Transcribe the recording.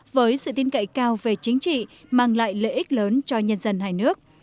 với sự tin cậy cao về chính trị mang lại lợi ích lớn cho nhân dân hai nước